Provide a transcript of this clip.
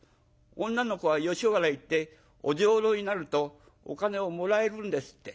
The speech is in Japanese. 女の子は吉原行ってお女郎になるとお金をもらえるんですって。